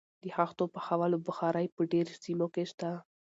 د خښتو پخولو بخارۍ په ډیرو سیمو کې شته.